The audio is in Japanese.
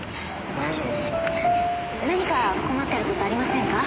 何か困ってる事ありませんか？